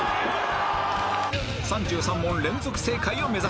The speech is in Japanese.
３３問連続正解を目指し